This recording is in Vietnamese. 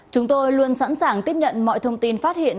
chúng tôi luôn sẵn sàng tiếp nhận mọi thông tin phát hiện